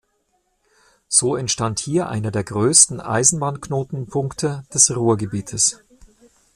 So entstand hier einer der größten Eisenbahnknotenpunkte des Ruhrgebietes.